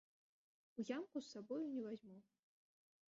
У ямку з сабою не вазьму.